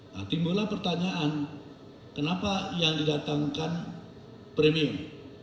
nah timbullah pertanyaan kenapa yang didatangkan premium